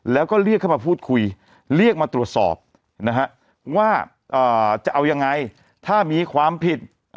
แล้วก็เรียกเข้ามาพูดคุยเรียกมาตรวจสอบนะฮะว่าจะเอายังไงถ้ามีความผิด